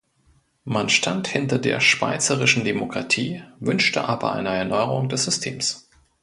Man stand hinter der schweizerischen Demokratie, wünschte aber eine Erneuerung des Systems.